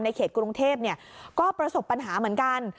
เขตกรุงเทพก็ประสบปัญหาเหมือนกัน